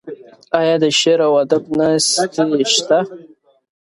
آیا د شعر او ادب ناستې شته؟